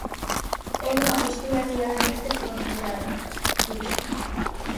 É unha postura claramente formulada, dixo.